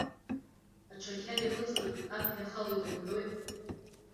Аҽы ақьар иахыҵны аԥ иахалоит рымҳәои.